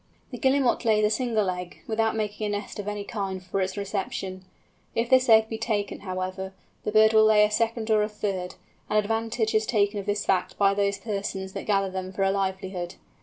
The Guillemot lays a single egg, without making a nest of any kind for its reception. If this egg be taken, however, the bird will lay a second or a third, and advantage is taken of this fact by those persons that gather them for a livelihood.